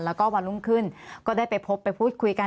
แล้วก็วันรุ่งขึ้นก็ได้ไปพบไปพูดคุยกัน